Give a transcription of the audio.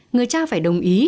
người cha phải đồng ý